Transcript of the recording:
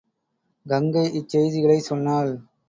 கங்கை இச்செய்திகளைச் சொன்னாள்.